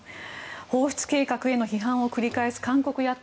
放出計画への批判を繰り返す韓国野党。